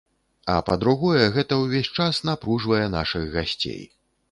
А па-другое, гэта ўвесь час напружвае нашых гасцей.